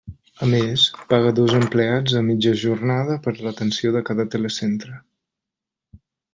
A més, paga dos empleats a mitja jornada per l'atenció de cada telecentre.